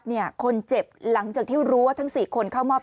แต่ไม่ได้ว่าเอาหน้าเขาไปทิ้มกับท่อนะครับ